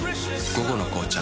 「午後の紅茶」